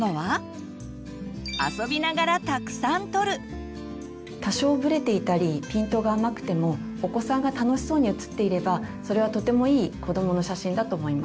最後は多少ブレていたりピントが甘くてもお子さんが楽しそうに写っていればそれはとてもいい子どもの写真だと思います。